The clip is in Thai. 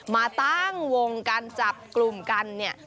มาตั้งวงการจับกลุ่มกันเนี่ย